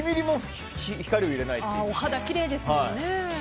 お肌、きれいですもんね。